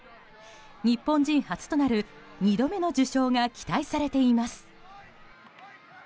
日本人初となる、２度目の受賞が期待されています。